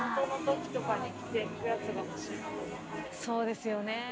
そうですね。